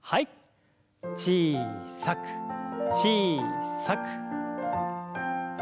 小さく小さく。